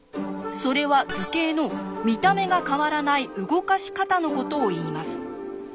それは図形の「見た目が変わらない動かし方」のことをいいます。